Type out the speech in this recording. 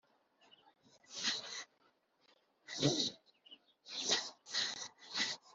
ntabwo kwizera guhesha agakiza ari ugupfa kwemera ukuri mu ntekerezo